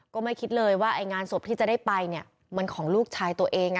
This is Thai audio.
ก็ไม่คิดเลยว่าไอ้งานศพที่จะได้ไปเนี่ยมันของลูกชายตัวเอง